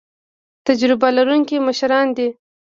تجربه لرونکي مشران دي